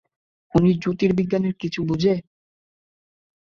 উনি জ্যোতির্বিজ্ঞানের কিছু বোঝে?